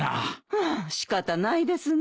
ハア仕方ないですね